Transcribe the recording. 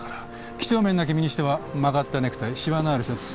几帳面な君にしては曲がったネクタイしわのあるシャツ。